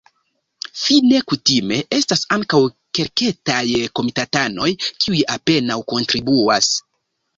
Fine kutime estas ankaŭ kelketaj komitatanoj, kiuj apenaŭ kontribuas.